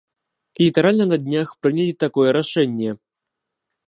Літаральна на днях прынялі такое рашэнне.